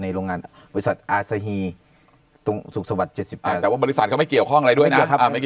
ในโรงงานอาศษย์ตรงศุกร์สวัสดิ์๗๒แฟนแต่บริษัทไม่เกี่ยวข้องอะไรด้วยนะ